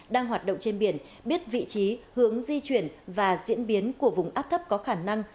đang hoạt động trên biển biết vị trí hướng di chuyển và diễn biến của vùng áp thấp có khả năng